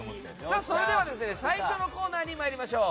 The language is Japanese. それでは最初のコーナーに参りましょう。